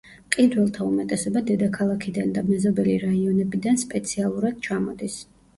მყიდველთა უმეტესობა დედაქალაქიდან და მეზობელი რაიონებიდან სპეციალურად ჩამოდის.